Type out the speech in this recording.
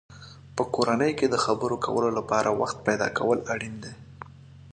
په کورنۍ کې د خبرو کولو لپاره وخت پیدا کول اړین دی.